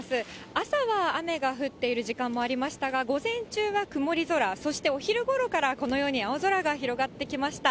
朝は雨が降っている時間もありましたが、午前中は曇り空、そしてお昼ごろからこのように青空が広がってきました。